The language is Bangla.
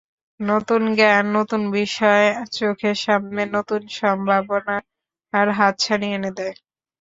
নতুন জ্ঞান, নতুন বিষয় চোখের সামনে নতুন সম্ভাবনার হাতছানি এনে দেয়।